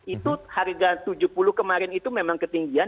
itu harga tujuh puluh kemarin itu memang ketinggian